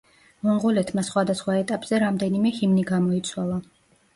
მონღოლეთმა სხვადასხვა ეტაპზე რამდენიმე ჰიმნი გამოიცვალა.